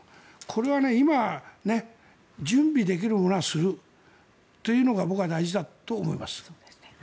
これは今準備できるものはするというのが僕は大事だと思います。